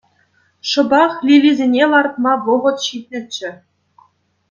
Шӑпах лилисене лартма вӑхӑт ҫитнӗччӗ.